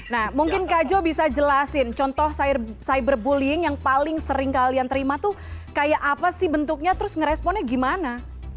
nah mungkin kak jo bisa jelasin contoh cyberbullying yang paling sering kalian terima tuh kayak apa sih bentuknya terus ngeresponnya gimana